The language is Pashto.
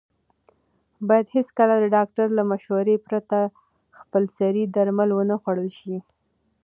باید هېڅکله د ډاکټر له مشورې پرته خپلسري درمل ونه خوړل شي.